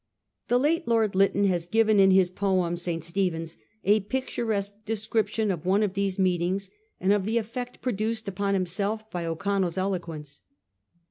The late Lord Lytton has given, in his poem ' St. Stephens,' a picturesque description of one of these meetings, and of the effect produced upon himself by O'Connell's eloquence.